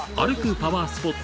パワースポット